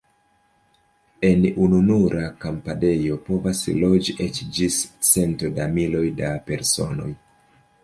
En ununura kampadejo povas loĝi eĉ ĝis centoj da miloj da personoj.